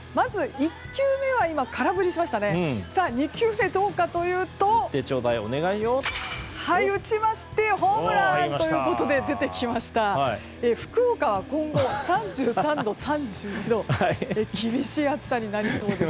２球目、どうかというと打ちましてホームランということで出てきました福岡は今後３３度、３２度と厳しい暑さになりそうです。